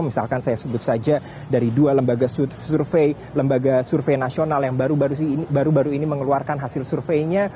misalkan saya sebut saja dari dua lembaga survei lembaga survei nasional yang baru baru ini mengeluarkan hasil surveinya